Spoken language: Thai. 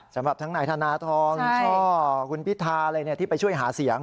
สำหรับทางหน่ายธนทรช่อคุณพิธาที่ไปช่วยหาเสียง